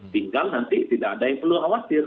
tinggal nanti tidak ada yang perlu khawatir